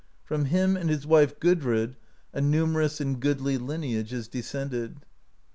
From him and his wife, Gudrid, a numerous and goodly lineage is descended.